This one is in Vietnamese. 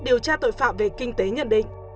điều tra tội phạm về kinh tế nhận định